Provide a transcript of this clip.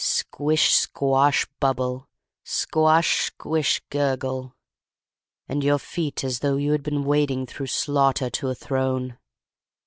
Squish, squash, bubble; squash, squish, guggle; and your feet as though you had been wading through slaughter to a throne.